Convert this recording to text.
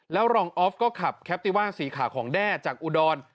แล้วรองออฟก็ขับแคปติว่าสีขาวของแด้จากอุดร